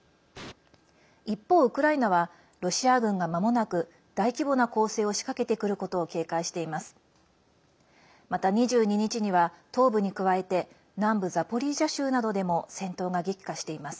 一方、ウクライナはロシア軍が、まもなく大規模な攻勢を仕掛けてくることを警戒しています。